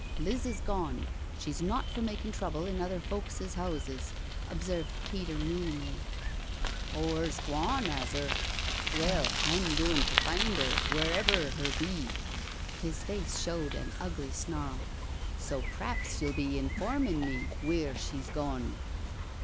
*' Liz 'as gone — she's not for makin' trouble in other folk's houses/' observed Peter meaningly. •• Oh, her's gwon, has 'er— well, I'm gooin' to find *er wheerever her be." His face showed an ugly snarl. " So p'raps you'll be informin' me wheer she's gone?"